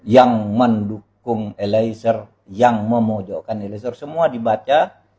yang mendukung eliezer yang memojokkan eliezer semua dibaca